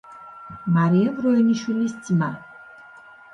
მარიამ როინიშვილის ძმა.